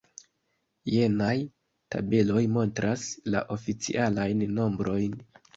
Jenaj tabeloj montras la oficialajn nombrojn.